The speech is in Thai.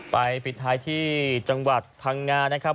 ปิดท้ายที่จังหวัดพังงานะครับ